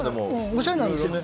おしゃれなんですよね。